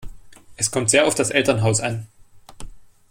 Es kommt sehr auf das Elternhaus an.